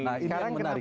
nah ini yang menarik